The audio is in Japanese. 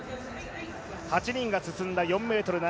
８人が進んだ４ｍ７０。